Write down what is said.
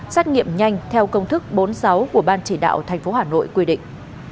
xét nghiệm nhanh theo công thức bốn mươi sáu của ban chỉ đạo tp hà nội quy định